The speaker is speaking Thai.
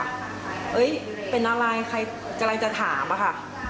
เอ้ยเป็นอะไรใครกำลังจะถามอะค่ะ